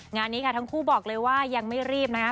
งานนี้ค่ะทั้งคู่บอกเลยว่ายังไม่รีบนะคะ